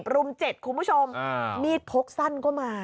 รุม๗คุณผู้ชมมีดพกสั้นก็มา